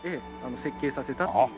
設計させたっていう。